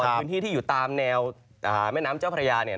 พื้นที่ที่อยู่ตามแนวแม่น้ำเจ้าพระยาเนี่ย